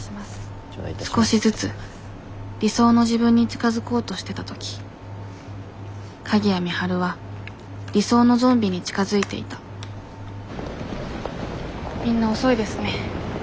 少しずつ理想の自分に近づこうとしてた時鍵谷美晴は理想のゾンビに近づいていたみんな遅いですね。